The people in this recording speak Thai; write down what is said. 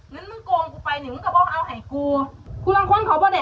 วันมึงโกงกูไปนี่มึงกะป๋องเอาไหยกูพูดทั้งคนเขาพอได้